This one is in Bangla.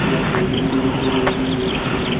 কোহিনূর রাজবীরের কাছে।